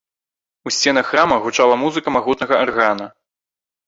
У сценах храма гучала музыка магутнага аргана.